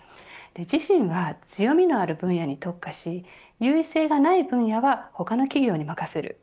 自身は強みのある分野に特化し優位性がない分野は他の企業に任せる。